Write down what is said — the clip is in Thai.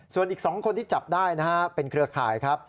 ส่วนอีก๒คนที่จับได้นะฮะเป็นเครือข่ายครับ